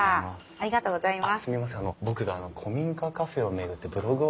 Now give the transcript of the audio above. ありがとうございます。